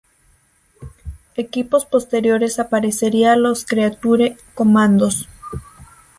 Equipos posteriores aparecería los Creature Comandos.